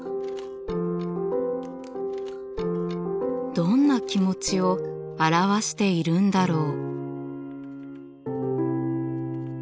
どんな気持ちを表しているんだろう？